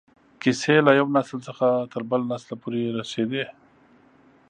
کیسې له یو نسل څخه تر بل نسله پورې رسېدې.